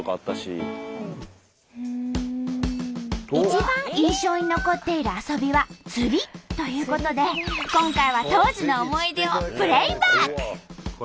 一番印象に残っている遊びは釣りということで今回は当時の思い出をプレイバック！